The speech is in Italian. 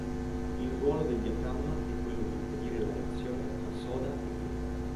Il ruolo del diaframma è quello di impedire la reazione tra soda e cloro.